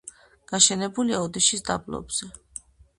გაშენებულია ოდიშის დაბლობზე,